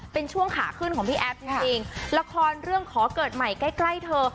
เป็นช่วงขาขึ้นของพี่แอฟจริงละครเรื่องขอเกิดใหม่ใกล้ใกล้เธอ